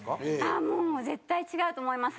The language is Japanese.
あもう絶対違うと思います。